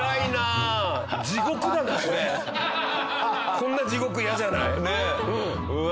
こんな地獄嫌じゃない？ねえ。うわ！